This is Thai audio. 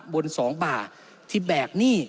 บน๒บาทที่แบกหนี้